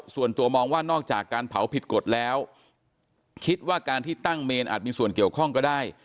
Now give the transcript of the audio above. ส่วนตัวมองว่านอกจากการเผาผิดกฎแล้วคิดว่าการที่ตั้งเมนอาจมีส่วนเกี่ยวข้องก็ได้